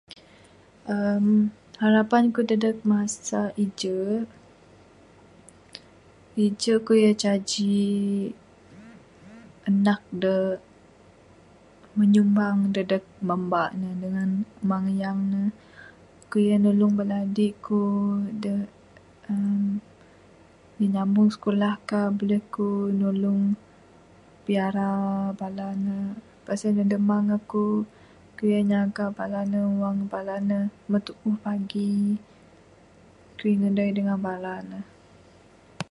uhh Harapan kuk dadeg masa iju'. Iju' kuk rak jaji anak de menyumbang dadeg mambak ne dengan amang ayang ne. Kuk rak nulung bala adik kuk da uhh nyambung sikulah kah. Buleh kuk nulung piyara bala ne. Lepas en andu mang akuk, kuk rak nyaga bala ne wang bala ne mbuh tuuh pagi. Kui ngadai dengan bala ne.